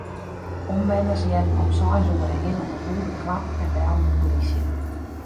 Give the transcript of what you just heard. Omwenners hearden om seis oere hinne in lûde klap en bellen de plysje.